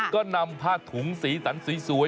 ก็นำผ้าถุงสีสันสวย